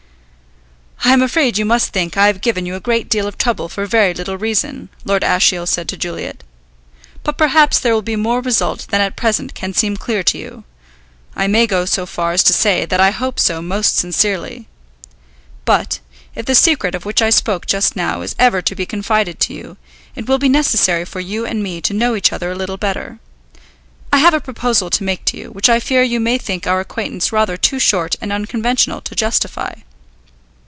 "I am afraid you must think I have given you a great deal of trouble for very little reason," Lord Ashiel said to Juliet. "But perhaps there will be more result than at present can seem clear to you. I may go so far as to say that I hope so most sincerely. But, if the secret of which I spoke just now is ever to be confided to you, it will be necessary for you and me to know each other a little better. I have a proposal to make to you, which I fear you may think our acquaintance rather too short and unconventional to justify."